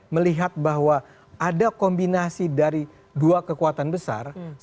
melihat bahwa ada kombinasi dari dua kekuatan besar